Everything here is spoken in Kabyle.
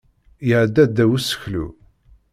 Iɛedda ddaw useklu.